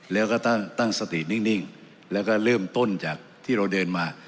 แล้วก็ตั้งสตินิ่งแล้วก็เริ่มต้นจากที่เราเดินมา